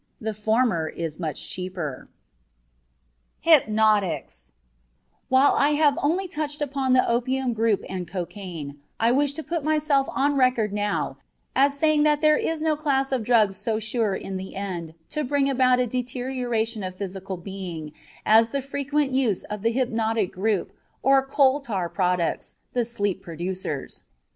The former is much cheaper. HYPNOTICS While I have only touched upon the opium group and cocaine, I wish to put myself on record now as saying that there is no class of drugs so sure in the end to bring about a deterioration of the physical being as the frequent use of the hypnotic group, or coal tar products, the sleep producers.